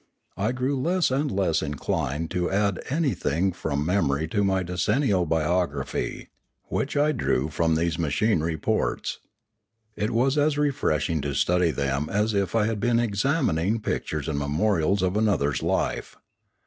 I grew less and less inclined to add anything from memory to my decennial biography, which I drew from these machine reports. It was as refreshing to study them as if I had been examining pictures and memorials of another's life.